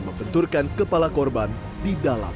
membenturkan kepala korban di dalam